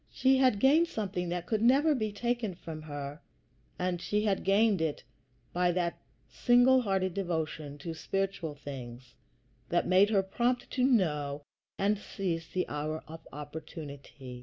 She had gained something that could never be taken from her; and she had gained it by that single hearted devotion to spiritual things which made her prompt to know and seize the hour of opportunity.